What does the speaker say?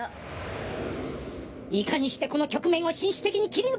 いかにしてこの局面を紳士的に切り抜けるか。